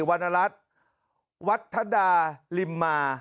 วันนรัฐวัทธดาลิมมาร์